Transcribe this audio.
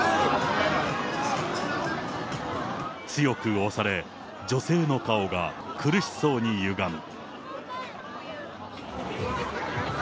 強く押され、女性の顔が苦しそうにゆがむ。